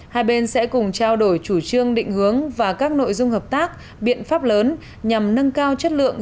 hai bên sẽ cùng trao đổi chủ trương định hướng và các nội dung hợp tác biện pháp lớn nhằm nâng cao chất lượng